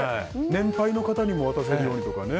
年配の方にも渡せるようにね。